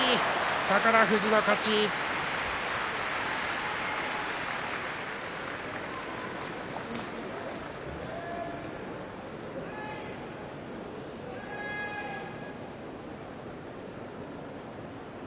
宝富士の勝ちです。